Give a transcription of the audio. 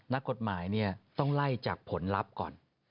นักกฎหมายต้องไล่จากผลลัพธ์ก่อน